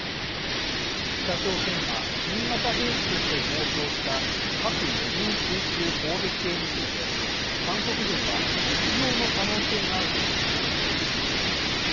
北朝鮮が新型兵器として公表した核無人水中攻撃艇について、韓国軍はねつ造の可能性があるとしました。